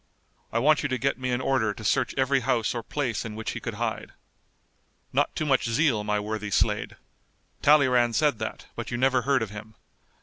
I want you to get me an order to search every house or place in which he could hide." "Not too much zeal, my worthy Slade. Talleyrand said that, but you never heard of him.